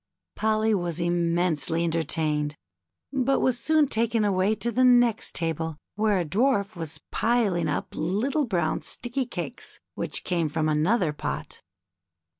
Polly was immensely entertained, but was soon taken away to the next table, where a dwarf was piling up little brown sticky cakes whicli came from another pot.